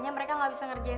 ini masakannya abang aku